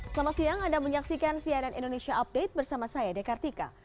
selamat siang anda menyaksikan cnn indonesia update bersama saya dekartika